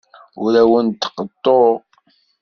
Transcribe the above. Ur awent-d-qeḍḍuɣ.